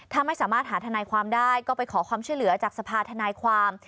ถ้าไม่สามารถหาทนายความได้ก็ไปขอความช่วยเหลือจากสภาธนายความ